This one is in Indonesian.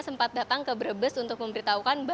sempat datang ke brebes untuk memberitahukan